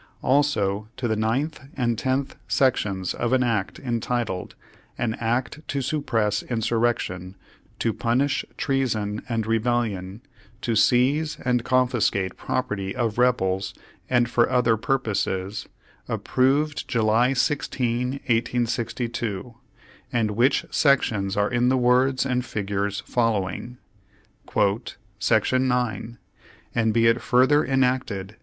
"Also, to the ninth and tenth sections of an act en titled 'An Act to Suppress Insurrection, to Punish Trea son and Rebellion, to Seize and Confiscate Property of Rebels, and for other Purposes,' approved July 16, 1862; and which sections are in the words and figures fol lowing:: " 'Sec. 9. And be it further enacted.